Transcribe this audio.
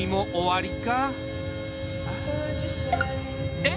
えっ！？